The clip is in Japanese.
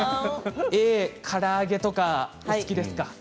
から揚げはお好きですか？